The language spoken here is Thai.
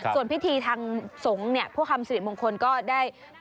ส่วนพิธีทางสงฆ์เนี่ยผู้คำสิริมงคลก็ได้